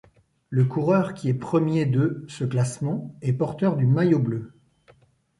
Le coureur qui est premier de ce classement est porteur du maillot bleu.